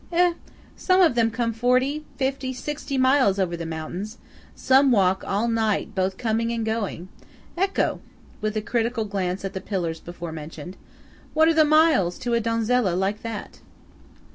"Eh! some of them come forty, fifty, sixty miles over the mountains–some walk all night both coming and going. Ecco!" (with a critical glance at the pillars before mentioned) "what are the miles to a donzella like that!"